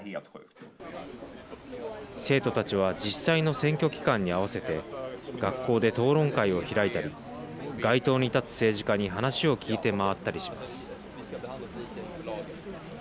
生徒たちは実際の選挙期間に合わせて学校で討論会を開いたり街頭に立つ政治家に話を聞いて回ったりします。